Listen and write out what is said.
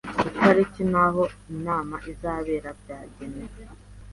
Itariki n’aho inama izabera byagenwe.